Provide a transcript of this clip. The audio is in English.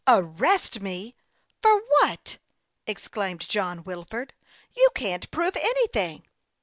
" Arrest me ! What for ?" exclaimed John Wilford. " You can't prove anything."